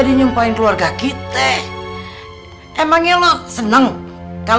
kita telanjangin mereka